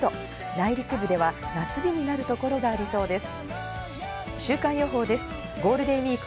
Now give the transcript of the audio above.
内陸部では夏日になるところがありそうです。